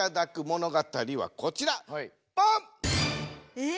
え？